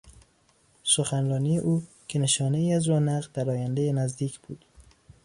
سخنرانی او که نشانهای از رونق در آیندهی نزدیک بود